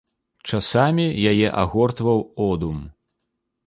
Часамі яе агортаў одум.